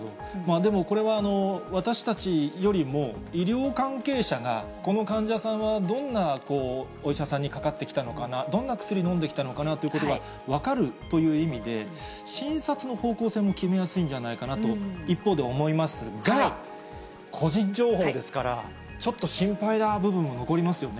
でもこれは、私たちよりも、医療関係者が、この患者さんはどんなお医者さんにかかってきたのかな、どんな薬飲んできたのかなということが分かるという意味で、診察の方向性も決めやすいんじゃないかなと、一方で思いますが、個人情報ですから、ちょっと心配な部分も残りますよね。